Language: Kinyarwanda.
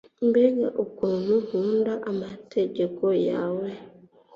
Mbega ukuntu nkunda amategeko yawe